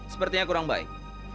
sepertinya kurang baik